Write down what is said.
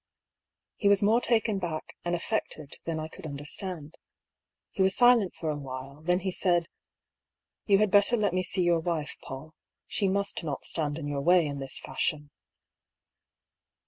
He was more taken back and affected than I could understand. He was silent for awhile ; then he said :" You had better let me see your wife, Paull. She must not stand in your way in this fashion."